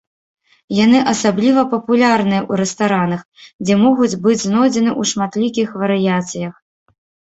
Яны асабліва папулярныя ў рэстаранах, дзе могуць быць знойдзены ў шматлікіх варыяцыях.